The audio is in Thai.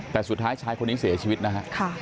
แต่สุดท้ายชายคนนี้เสียชีวิตนะฮะ